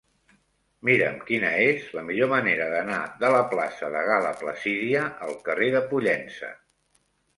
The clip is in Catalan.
Mira'm quina és la millor manera d'anar de la plaça de Gal·la Placídia al carrer de Pollença.